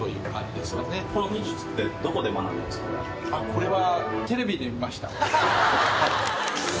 これは。